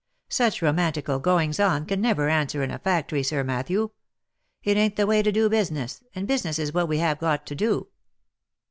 Such romantical goings on can never answer in a factory, Sir Matthew. It an't the way to do business, and business is what we have got to do.